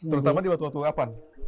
terutama di waktu waktu kapan